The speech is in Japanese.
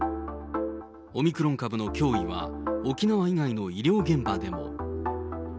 オミクロン株の脅威は沖縄県以外の医療現場でも。